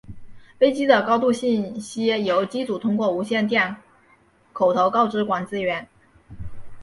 飞机的高度信息由机组通过无线电口头告知管制员。